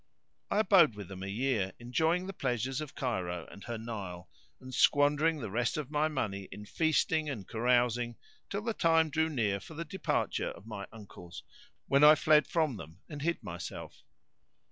I abode with them a year, enjoying the pleasures of Cairo and her Nile,[FN#593] and squandering the rest of my money in feasting and carousing till the time drew near for the departure of my uncles, when I fled from them and hid myself.